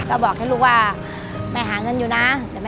ก็บอกแค่ลูกว่าแม่หาเงินอยู่นะ